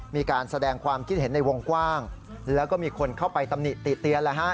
มีการแสดงความคิดเห็นในวงกว้างแล้วก็มีคนเข้าไปตำหนิติเตียน